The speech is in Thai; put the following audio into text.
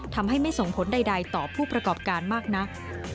ทำให้ไม่ส่งผลใดต่อผู้ประกอบการมากนัก